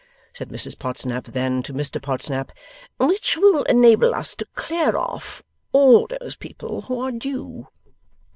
Said Mrs Podsnap then to Mr Podsnap, 'Which will enable us to clear off all those people who are due.